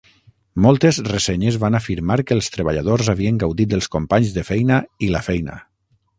Moltes ressenyes van afirmar que els treballadors havien gaudit dels companys de feina i la feina.